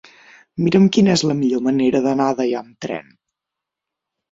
Mira'm quina és la millor manera d'anar a Deià amb tren.